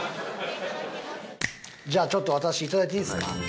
じゃあちょっと私いただいていいですか？